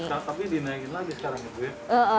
atap ini dinaikin lagi sekarang gitu ya